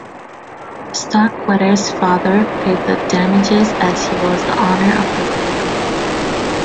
Starkweather's father paid the damages, as he was the owner of the vehicle.